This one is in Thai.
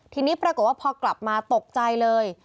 ทีนี้ปรากฏว่าพอกลับมาตกใจเลย